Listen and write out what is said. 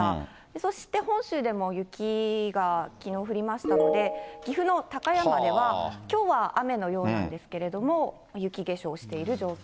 そして本州でも雪がきのう降りましたので、岐阜の高山では、きょうは雨のようなんですけれども、雪化粧している状況。